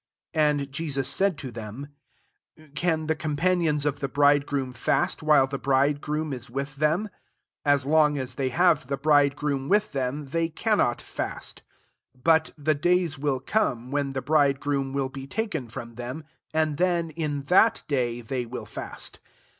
19 And Jesus said to them, " Can the com panions of the bridegroom fast, while the bridegroom is with them ? [As long as they have the bridegroom with them, they cannot fast.] 20 But the days will come, when the bridegroom will be taken from them ; and then, in that day, they will &st.